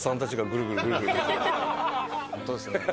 本当ですね。